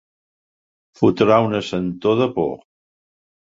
Fotrà una sentor de por.